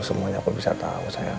semuanya aku bisa tau sayang